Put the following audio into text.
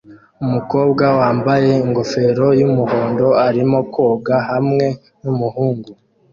Umukobwa wambaye ingofero yumuhondo arimo koga hamwe numuhungu